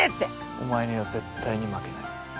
お前には絶対に負けない。